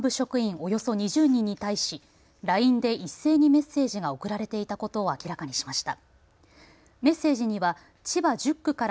およそ２０人に対しＬＩＮＥで一斉にメッセージが送られていたことを明らかにしました。